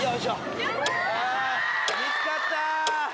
見つかった！